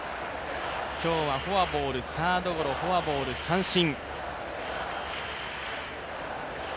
今日はフォアボール、サードゴロ、フォアボール、三振。